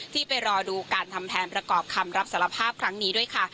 ไปรอดูการทำแผนประกอบคำรับสารภาพครั้งนี้ด้วยค่ะ